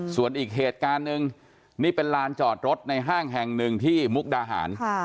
ส่วนอีกเหตุการณ์หนึ่งนี่เป็นลานจอดรถในห้างแห่งหนึ่งที่มุกดาหาร